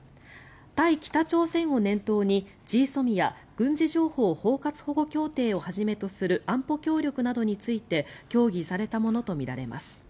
対北朝鮮を念頭にＧＳＯＭＩＡ・軍事情報包括保護協定をはじめとする安保協力などについて協議されたものとみられます。